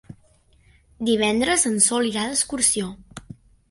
Divendres en Sol irà d'excursió.